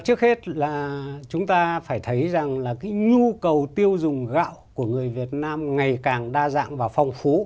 trước hết là chúng ta phải thấy rằng là cái nhu cầu tiêu dùng gạo của người việt nam ngày càng đa dạng và phong phú